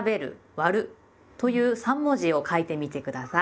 「『割』る」という三文字を書いてみて下さい。